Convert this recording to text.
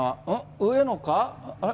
上野か？